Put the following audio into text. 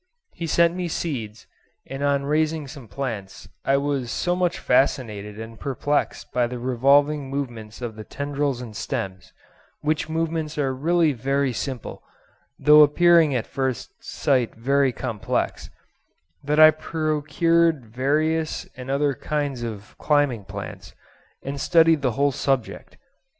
He sent me seeds, and on raising some plants I was so much fascinated and perplexed by the revolving movements of the tendrils and stems, which movements are really very simple, though appearing at first sight very complex, that I procured various other kinds of climbing plants, and studied the whole subject.